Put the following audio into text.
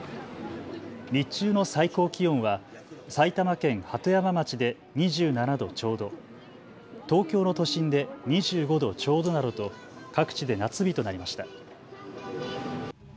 日中の最高気温は埼玉県鳩山町で２７度ちょうど、東京の都心で２５度ちょうどなどと各地で夏日となりました。